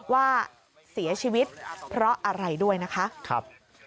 ว่าเสียชีวิตเพราะอะไรด้วยนะคะ